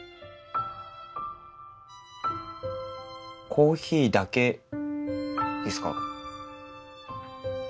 コーヒーだけですか？